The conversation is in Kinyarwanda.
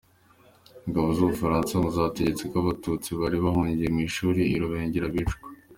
Ingabo z’Ubufaransa ngo zategetse ko abatutsi bari bahungiye mu ishuri i Rubengera bicwa.